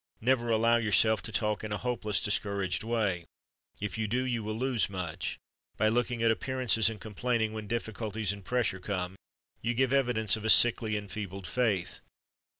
Never allow yourself to talk in a hopeless, discouraged way. If you do, you will lose much. By looking at appearances, and complaining when difficulties and pressure come, you give evidence of a sickly, enfeebled faith.